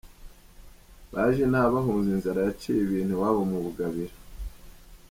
Baje inaha bahunze inzara yaciye ibintu iwabo mu Bugabira.